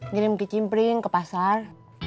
ngirim ke cimpring ke pasar